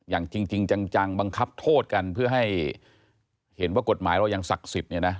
อย่างจริงจังบังคับโทษกันเพื่อให้เห็นว่ากฎหมายเรายังศักดิ์สิทธิ์เนี่ยนะ